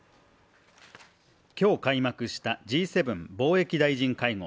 今日開幕したＧ７貿易大臣会合。